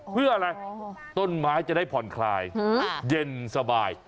เพื่ออะไรต้นไม้จะได้ผ่อนคลายเย็นสบาย